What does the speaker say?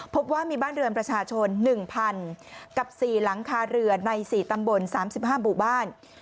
พบว่ามีบ้านเรือนประชาชน๑๐๐๐กับ๔หลังคาเรือนใน๔ตำบล๓๕หมู่บ้าน